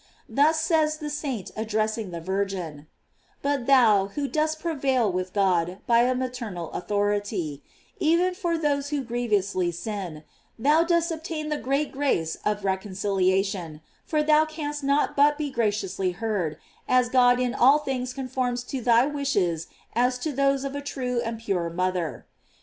Thus says the saint address ing the Virgin: But thou, who dost prevail with God by a maternal authority, even for those who grievously sin, thou dost obtain the great grace of reconciliation; for thou canst not but be graciously heard, as God in all things conforms to thy wishes as to those of a true and pure mother.